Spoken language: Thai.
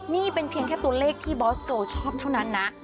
นี่เป็นเพียงแค่ตัวเลขที่บอสโจชอบเท่านั้นนะ